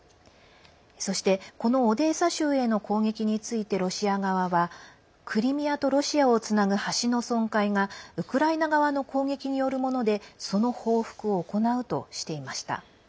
そして、このオデーサ州への攻撃についてロシア側はクリミアとロシアをつなぐ橋の損壊がウクライナ側の攻撃によるものでその報復を行うとしていました。